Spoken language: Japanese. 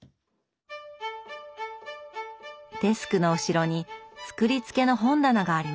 デスクの後ろに作りつけの本棚があります。